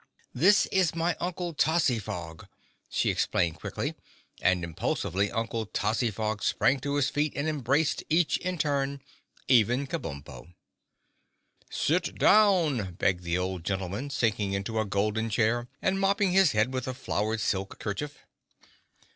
This is my Uncle Tozzyfog," she explained quickly, and impulsively Uncle Tozzyfog sprang to his feet and embraced each in turn—even Kabumpo. "Sit down," begged the old nobleman, sinking into a golden chair and mopping his head with a flowered silk kerchief.